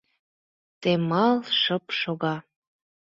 Темал шып шога.